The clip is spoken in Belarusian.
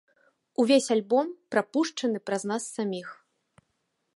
Увесь альбом прапушчаны праз нас саміх.